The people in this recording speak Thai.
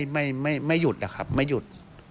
ไม่หยุดนะครับไม่หยุด